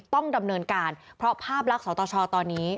ต้องดำเนินการเพราะภาพลักษณ์สตชตอนนี้